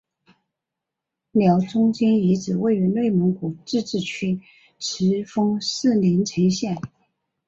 辽中京遗址位于内蒙古自治区赤峰市宁城县。